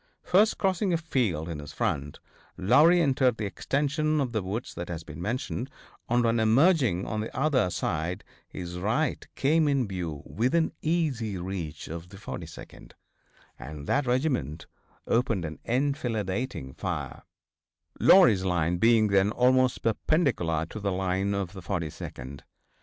First crossing a field in his front, Lowrey entered the extension of the woods that has been mentioned, and on emerging on the other side his right came in view within easy range of the 42d, and that regiment opened an enfilading fire, Lowrey's line being then almost perpendicular to the line of the 42d.